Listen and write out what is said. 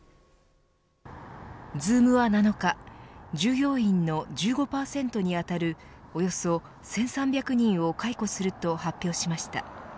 Ｚｏｏｍは７日従業員の１５％に当たるおよそ１３００人を解雇すると発表しました。